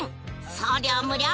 送料無料